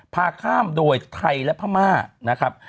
พาข้ามโดยไทยและพม่านะครับ